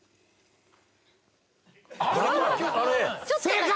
正解！